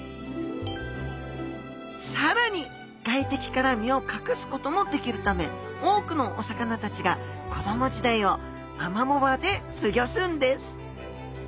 さらに外敵から身を隠すこともできるため多くのお魚たちが子供時代をアマモ場で過ギョすんです